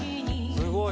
すごい。